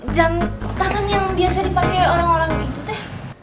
jam tangan yang biasa dipakai orang orang itu teh